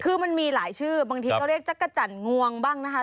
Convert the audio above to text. คือมันมีหลายชื่อบางทีก็เรียกจักรจันทร์งวงบ้างนะคะ